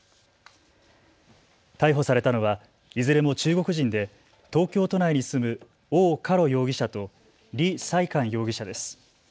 逮捕されたのはいずれも中国人で東京都内に住む王嘉ろ容疑者と李さい寒容疑者です。